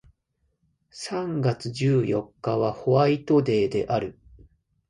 三月十四日はホワイトデーである